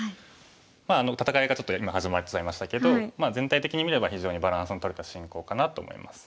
まあ戦いがちょっと今始まっちゃいましたけど全体的に見れば非常にバランスのとれた進行かなと思います。